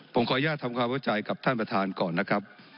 ผมขออนุญาตทำความเข้าใจกับท่านประธานก่อนนะครับ